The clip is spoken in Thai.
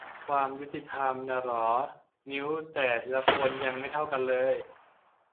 ความยุติธรรมนะเหรอ นิ้วแต่ละคนยังไม่เท่ากันเลย